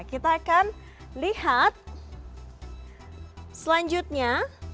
kita akan lihat selanjutnya